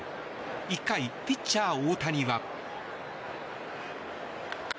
１回、ピッチャー大谷は。